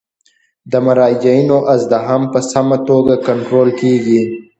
د مراجعینو ازدحام په سمه توګه کنټرول کیږي.